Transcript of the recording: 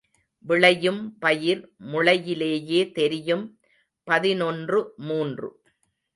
விளையும் பயிர் முளையிலேயே தெரியும் பதினொன்று மூன்று.